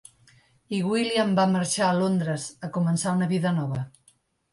I William va marxar a Londres, a començar una vida nova.